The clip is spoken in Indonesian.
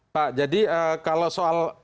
pak jadi kalau soal